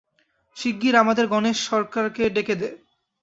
শিগগির আমাদের গণেশ সরকারকে ডেকে দে।